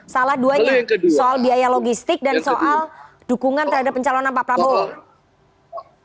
salah duanya soal biaya logistik dan soal dukungan terhadap pencalonan pak prabowo